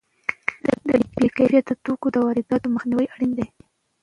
د بې کیفیته توکو د وارداتو مخنیوی اړین دی.